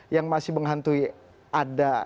yang masih menghantui ada